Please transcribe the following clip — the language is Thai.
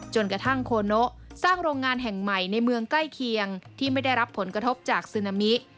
กระทั่งโคโนะสร้างโรงงานแห่งใหม่ในเมืองใกล้เคียงที่ไม่ได้รับผลกระทบจากซึนามิ